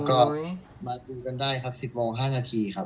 ก็มาดูกันได้ครับ๑๐โมง๕นาทีครับ